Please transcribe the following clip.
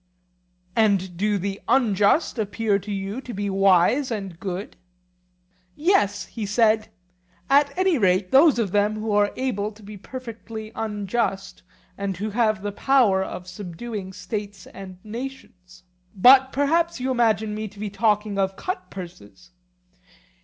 And do the unjust appear to you to be wise and good? Yes, he said; at any rate those of them who are able to be perfectly unjust, and who have the power of subduing states and nations; but perhaps you imagine me to be talking of cutpurses.